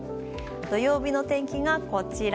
土曜日の天気がこちら。